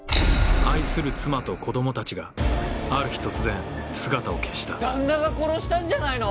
愛する妻と子供たちがある日突然姿を消した旦那が殺したんじゃないの？